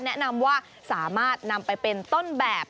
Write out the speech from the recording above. แนะนำว่าสามารถนำไปเป็นต้นแบบ